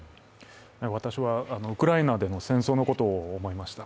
私はウクライナでも戦争のことを思いました。